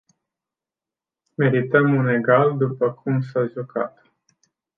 Meritam un egal după cum s-a jucat.